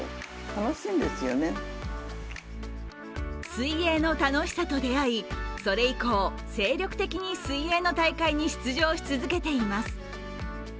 水泳の楽しさと出会いそれ以降、精力的に水泳に大会に出場し続けています。